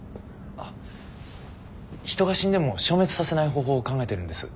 あ人が死んでも消滅させない方法を考えてるんです。